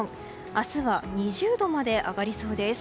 明日は２０度まで上がりそうです。